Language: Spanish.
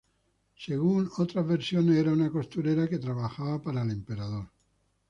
Según otras versiones, era una costurera que trabajaba para el Emperador.